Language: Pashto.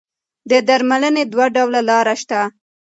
د درملنې دوه ډوله لاره شته.